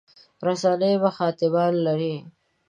رسنۍ مخاطبان لري.